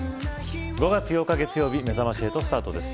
５月８日、月曜日めざまし８スタートです。